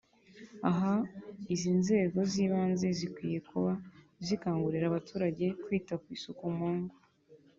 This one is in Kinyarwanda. aha izi nzego z’ibanze zikwiye kuba zikangurira abaturage kwita ku isuku mu ngo